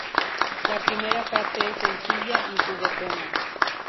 La primera parte es sencilla y juguetona.